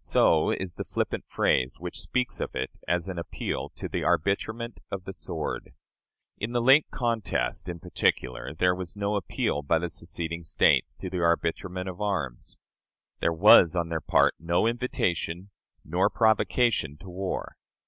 So is the flippant phrase which speaks of it as an appeal to the "arbitrament of the sword." In the late contest, in particular, there was no appeal by the seceding States to the arbitrament of arms. There was on their part no invitation nor provocation to war.